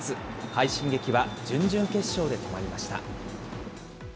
快進撃は準々決勝で止まりました。